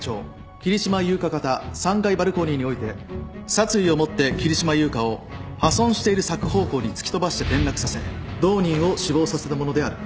桐島優香方３階バルコニーにおいて殺意を持って桐島優香を破損している柵方向に突き飛ばして転落させ同人を死亡させたものである。